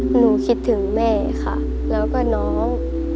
หนูคิดถึงแม่ค่ะแล้วก็น้อง